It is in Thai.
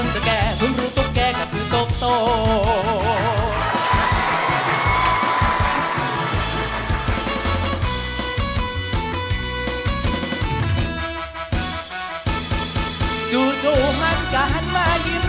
จู่มันก็หันมายิ้ม